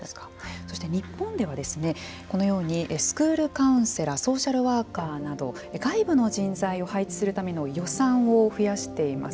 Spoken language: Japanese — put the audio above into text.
そして日本ではこのようにスクールカウンセラーソーシャルワーカーなど外部の人材を配置するための予算を増やしています。